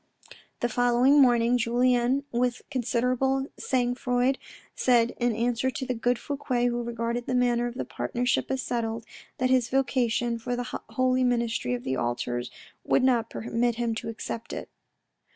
The following morning, Julien with considerable sangfroid, said in answer to the good Fouque, who regarded the matter of the partnership as settled, that his vocation for the holy ministry of the altars would not permit him to accept it.